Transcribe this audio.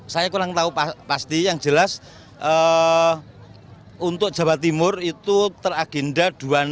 saya kurang tahu pasti yang jelas untuk jawa timur itu teragenda dua ribu enam ratus dua puluh tujuh